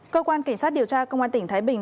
cơ quan cảnh sát điều tra công an tỉnh thái bình